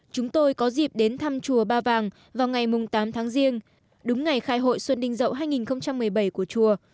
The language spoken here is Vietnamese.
chúng tôi có dịp đến thăm chùa ba vàng vào ngày tám tháng riêng đúng ngày khai hội xuân đình dậu hai nghìn một mươi bảy của chùa